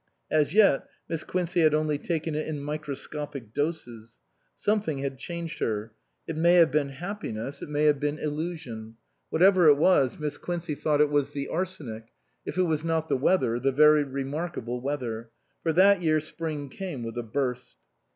As yet Miss Quincey had only taken it in microscopic doses. Something had changed her ; it may have been happiness, it may have 251 SUPERSEDED been illusion; whatever it was Miss Quincey thought it was the arsenic if it was not the weather, the very remarkable weather. For that year Spring came with a burst.